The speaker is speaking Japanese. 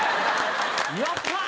「やったー！」